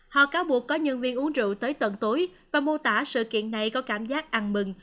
họ cáo buộc có nhân viên uống rượu tới tận tối và mô tả sự kiện này có cảm giác ăn mừng